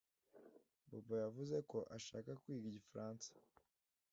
Bobo yavuze ko ashaka kwiga igifaransa.